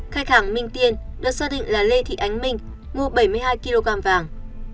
khách hàng minh tiên được xác định là lê thị ánh minh mua bảy mươi hai kg vàng